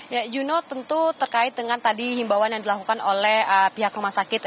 ya juno tentu terkait dengan tadi himbawan yang dilakukan oleh pihak rumah sakit